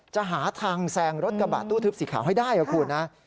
จะหาทางแซงรถกระบะตู้ทึบสีขาวให้ได้ครับคุณนะ